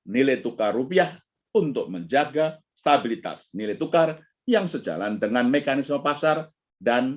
nilai tukar rupiah untuk menjaga stabilitas nilai tukar yang sejalan dengan mekanisme pasar dan